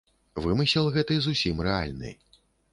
Вымысел гэты зусім рэальны.